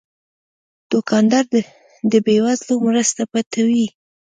دوکاندار د بې وزلو مرسته پټوي.